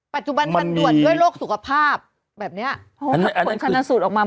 ปัจจุบันทันด่วนด้วยโรคสุขภาพ